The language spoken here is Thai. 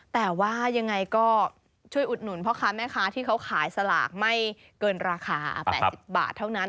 แต่ว่ายังไงก็ช่วยอุดหนุนพ่อค้าแม่ค้าที่เขาขายสลากไม่เกินราคา๘๐บาทเท่านั้น